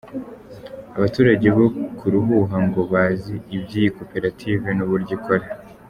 Abaturage bo ku Ruhuha ngo bazi iby’iyi koperative n’uburyo ikora.